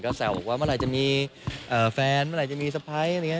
ก็แซวว่ากว่าเมื่อไหร่จะมีแฟนเมื่อไหร่จะมีสไพรส์